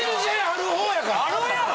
あるやろ！